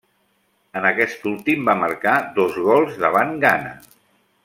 En aquest últim, va marcar dos gols davant Ghana.